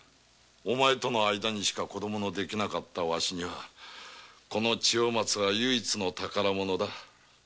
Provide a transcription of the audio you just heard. お前との間にしか子供ができなかったワシには千代松はただ一つの宝物。